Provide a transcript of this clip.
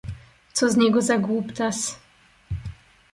Co z niego za głuptas.